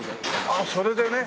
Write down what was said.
ああそれでね。